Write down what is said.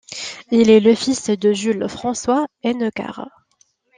Il est le fils de Jules-François Hennecart.